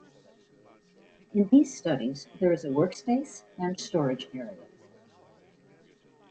In these studies there is a work space and storage area.